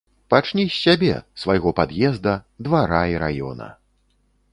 Пачні з сябе, свайго пад'езда, двара і раёна.